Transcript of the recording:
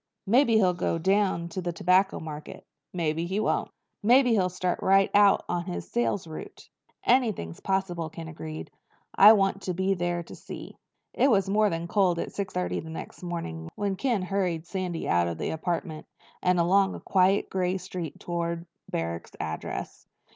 Maybe he'll go down to the Tobacco Mart. Maybe he won't." "Maybe he'll start right out on his sales route." "Anything's possible," Ken agreed. "I just want to be there to see." It was more than cold at six thirty the next morning when Ken hurried Sandy out of the apartment and along quiet gray streets toward Barrack's address.